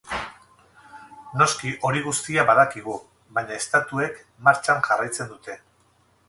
Noski hori guztia badakigu, baina estatuek martxan jarraitzen dute.